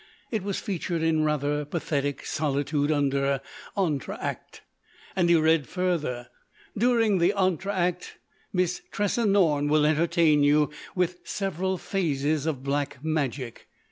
It was featured in rather pathetic solitude under "Entr' acte." And he read further: "During the entr' acte Miss Tressa Norne will entertain you with several phases of Black Magic.